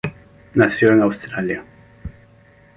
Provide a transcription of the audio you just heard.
Nació en Australia.